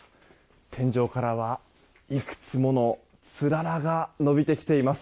天井からは、いくつものつららが伸びてきています。